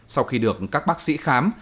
sau khi được các bác sĩ khám